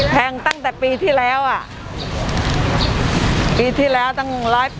แพงตั้งแต่ปีที่แล้วอ่ะปีที่แล้วตั้ง๑๘